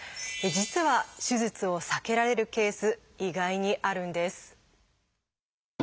実は手術を避けられるケース意外にあるんです。